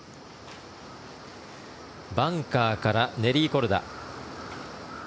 バンカーからネリー・コルダ。